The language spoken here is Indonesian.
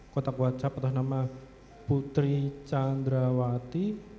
kontak whatsapp atas nama putri chandrawati